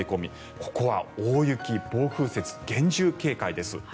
ここは大雪、暴風雪厳重警戒です。